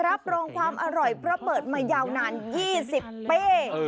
รับรองความอร่อยเพราะเปิดมายาวนาน๒๐ปี